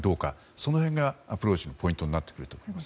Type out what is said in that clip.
その辺がアプローチのポイントになってくると思います。